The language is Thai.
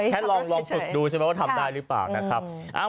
ลองฝึกดูใช่ไหมว่าทำได้หรือเปล่านะครับ